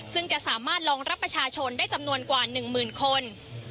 ซึ่งจะสามารถรองรับประชาชนได้จำนวนกว่า๑หมื่นคน